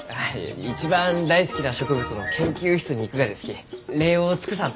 一番大好きな植物の研究室に行くがですき礼を尽くさんと。